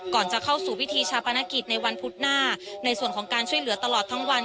ก่อนจะเข้าสู่พิธีชาปนกิจในวันพุธหน้าในส่วนของการช่วยเหลือตลอดทั้งวัน